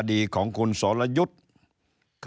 สวัสดีครับท่านผู้ชมครับ